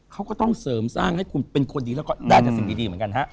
เขาก็ต้องเสริมสร้างให้คุณเป็นคนดีแล้วก็ได้แต่สิ่งดีเหมือนกันฮะ